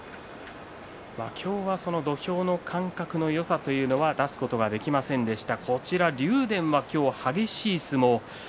今日はその土俵の感覚のよさというのは出すことができませんでした。